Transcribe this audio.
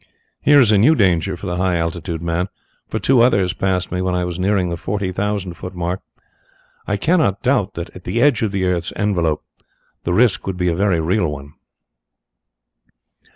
Here is a new danger for the high altitude man, for two others passed me when I was nearing the forty thousand foot mark. I cannot doubt that at the edge of the earth's envelope the risk would be a very real one.